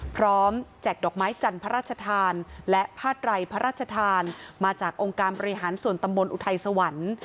แจกดอกไม้จันทร์พระราชทานและผ้าไตรพระราชทานมาจากองค์การบริหารส่วนตำบลอุทัยสวรรค์